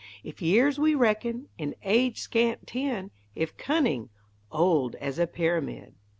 If years we reckon, in age scant ten; If cunning, old as a pyramid.